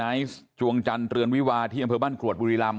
ไอซ์จวงจันทร์เรือนวิวาที่อำเภอบ้านกรวดบุรีรำ